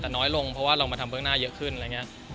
แต่น้อยลงเพราะว่าเรามาทำเบื้องหน้าเยอะขึ้นอะไรอย่างนี้